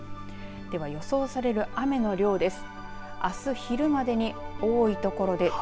では、予想される雨の量です。